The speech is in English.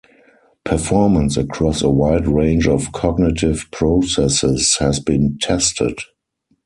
Performance across a wide range of cognitive processes has been tested.